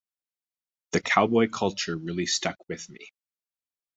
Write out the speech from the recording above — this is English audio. The cowboy culture really stuck with me.